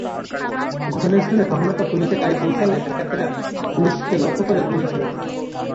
ঘটনাস্থলে টহলরত পুলিশের গাড়ি পৌঁছালে ডাকাতেরা পুলিশকে লক্ষ্য করে গুলি ছোড়ে।